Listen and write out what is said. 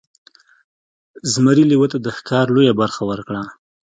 زمري لیوه ته د ښکار لویه برخه ورکړه.